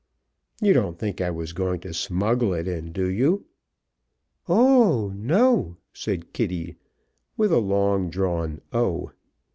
You don't think I was going to smuggle it in, do you?" "Oh, no!" said Kitty, with a long drawn o.